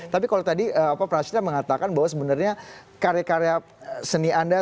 tapi kalau tadi prasidra mengatakan bahwa sebenarnya karya karya seni anda